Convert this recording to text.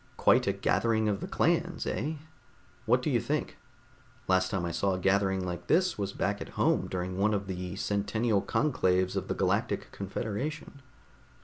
"Quite a gathering of the clans, eh? What do you think? Last time I saw a gathering like this was back at home during one of the centennial conclaves of the Galactic Confederation."